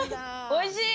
おいしい。